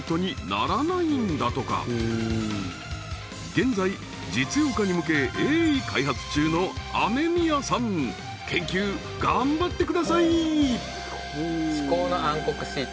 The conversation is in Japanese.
現在実用化に向け鋭意開発中の雨宮さん研究頑張ってください！